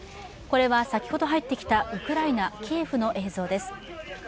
これは先ほど入ってきたウクライナ・キエフの映像です。